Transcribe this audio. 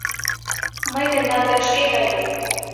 Мый тендан дене шке каем.